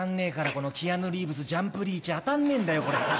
このキアヌ・リーブスジャンプリーチ当たんねえんだよ。